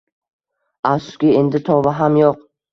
Afsuski, endi tova ham yo`q